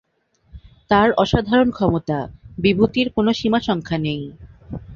তাঁর অসাধারণ ক্ষমতা, বিভূতির কোনো সীমাসংখ্যা নেই।